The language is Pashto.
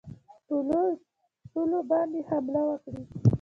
پولو باندي حمله وکړي.